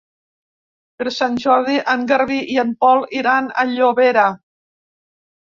Per Sant Jordi en Garbí i en Pol iran a Llobera.